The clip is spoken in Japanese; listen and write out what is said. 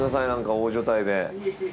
大所帯で。